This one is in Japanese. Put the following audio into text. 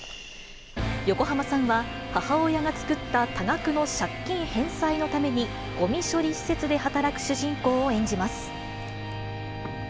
横浜さんは、母親が作った多額の借金返済のためにごみ処理施設で働く主人公を演じます。